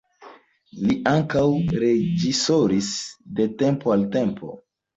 Li ankaŭ reĝisoris de tempo al tempo.